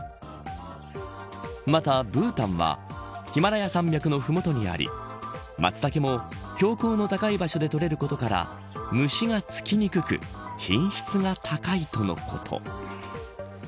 また、ブータンはヒマラヤ山脈の麓にありマツタケも標高の高い場所で採れることから虫が付きにくく品質が高いとのこと。